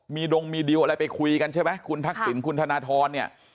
ดงมีดิวอะไรไปคุยกันใช่ไหมคุณทักษิณคุณธนทรเนี่ย